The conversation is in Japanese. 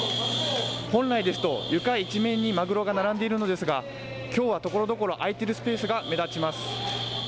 本来ですと床一面にマグロが並んでいるのですがきょうはところどころ空いているスペースが目立ちます。